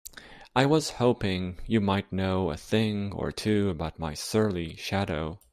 I was hoping you might know a thing or two about my surly shadow?